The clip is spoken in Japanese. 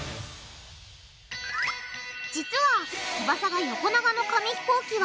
実は翼が横長の紙ひこうきは